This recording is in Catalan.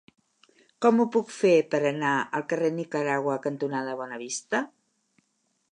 Com ho puc fer per anar al carrer Nicaragua cantonada Bonavista?